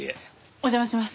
お邪魔します。